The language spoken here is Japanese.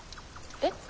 えっ？